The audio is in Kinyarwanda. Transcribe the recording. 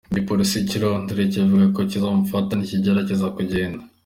Igipolisi c'i Londres kivuga ko kizomufata ni yagerageza kugenda.